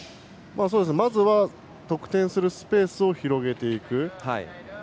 まずは得点するスペースを広げていく。